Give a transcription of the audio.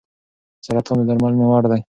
سرطان د درملنې وړ دی.